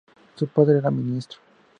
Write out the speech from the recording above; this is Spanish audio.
Su padre era ministro.